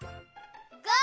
ゴー！